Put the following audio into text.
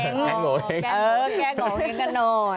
แก้โงแฮงกันหน่อย